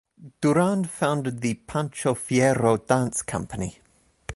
Durand founded the Pancho Fierro Dance Company.